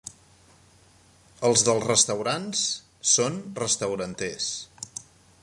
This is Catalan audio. Els dels restaurants són restauranters”.